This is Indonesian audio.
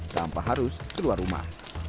tanpa harus keluar rumah